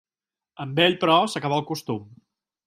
Amb ell, però, s'acabà el costum.